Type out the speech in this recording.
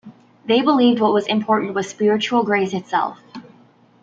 They believed what was important was spiritual grace itself.